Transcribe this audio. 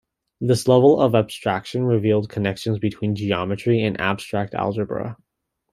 This level of abstraction revealed connections between geometry and abstract algebra.